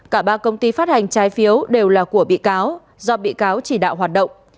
cả ba công ty phát hành trái phiếu đều là của bị cáo do bị cáo chỉ đạo hoạt động